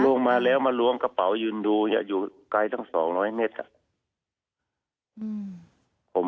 ลงมาแล้วมาล้วงกระเป๋ายืนดูอยู่ไกลตั้ง๒๐๐เมตรอ่ะ